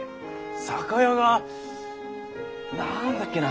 酒屋が何だっけな？